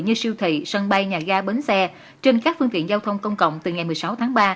như siêu thị sân bay nhà ga bến xe trên các phương tiện giao thông công cộng từ ngày một mươi sáu tháng ba